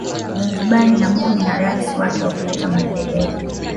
Zanzibari ina bunge na rais wake wakuleta Maendeleo